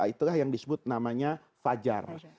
itulah yang disebut namanya fajar